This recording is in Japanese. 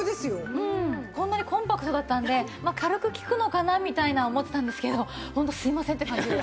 こんなにコンパクトだったんで軽く効くのかなみたいな思ってたんですけどホントすいませんって感じで。